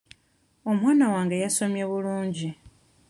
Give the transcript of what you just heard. Omwana wange yasomye bulungi.